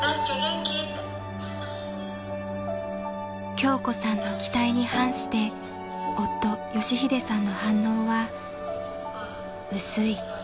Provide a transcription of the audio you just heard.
［京子さんの期待に反して夫佳秀さんの反応は薄い］